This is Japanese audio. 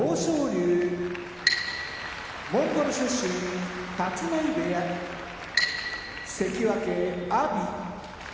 龍モンゴル出身立浪部屋関脇・阿炎